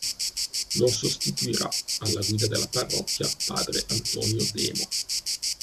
Lo sostituirà alla guida della parrocchia padre Antonio Demo.